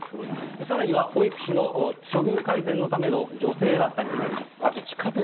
さらには保育士の処遇改善のための助成だったりとあります。